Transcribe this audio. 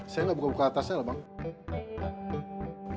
saya nggak buka buka atasnya lah bang